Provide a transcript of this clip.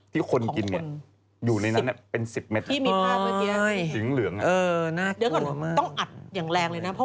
ที่คนกินอยู่ในนั้นเป็น๑๐เมตร